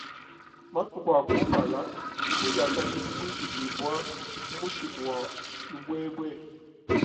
Matuku a kumpala, dibue diakadi dibuikidibua ku mushiku wa lubuebue.